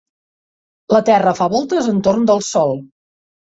La Terra fa voltes entorn del Sol.